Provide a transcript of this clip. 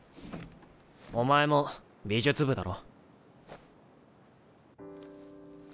お前も美術部だろ。